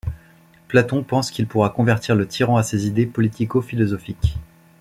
Platon pense qu’il pourra convertir le tyran à ses idées politico-philosophiques.